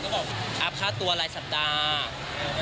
มันก็บอกอาบค่าตัวไร้สัปดาห์